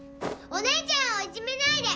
お姉ちゃんをいじめないで！